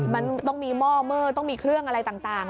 มันต้องมีหม้อเมอร์ต้องมีเครื่องอะไรต่าง